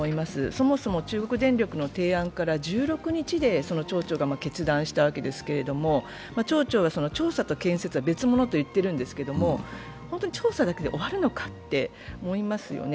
そもそも中国電力の提案から１６日で町長が決断したわけですけれども町長は調査と建設は別物と言っているわけですが本当に調査だけで終わるのかと思いますよね。